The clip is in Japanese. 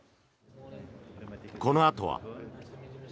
このあとは。